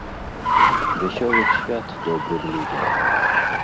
Вясёлых свят добрым людзям!